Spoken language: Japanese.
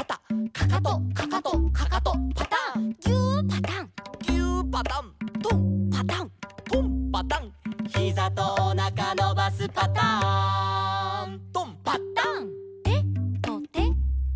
「かかとかかとかかとパタン」「ぎゅーパタン」「ぎゅーパタン」「とんパタン」「とんパタン」「ひざとおなかのばすパターン」「とん」「パタン」「てとてと」